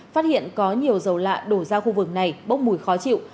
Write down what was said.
phát hiện có nhiều dầu lạ đổ ra khu vực này bốc mùi khó chịu